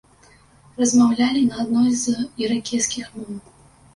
Размаўлялі на адной з іракезскіх моў.